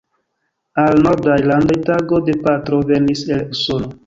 Al Nordaj landoj tago de patro venis el Usono.